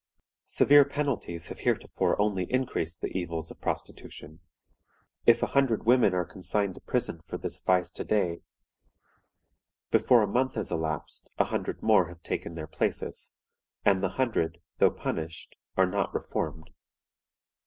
"Severe penalties have heretofore only increased the evils of prostitution. If a hundred women are consigned to prison for this vice to day, before a month has elapsed a hundred more have taken their places, and the hundred, though punished, are not reformed.